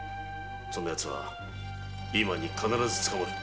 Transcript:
そんなヤツは今に必ず捕まる。